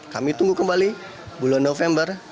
kami tunggu kembali bulan november